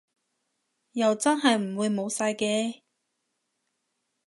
又真係唔會冇晒嘅